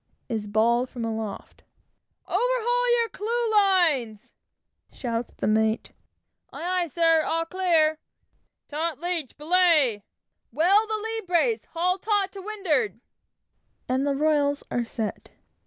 is bawled from aloft. "Overhaul your clew lines!" shouts the mate. "Aye, aye, sir, all clear!" "taut leech! belay! Well the lee brace; haul taut to windward" and the royals are set.